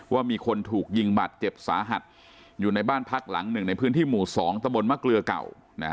ว่ามีคนถูกยิงบาดเจ็บสาหัสอยู่ในบ้านพักหลังหนึ่งในพื้นที่หมู่๒ตะบนมะเกลือเก่า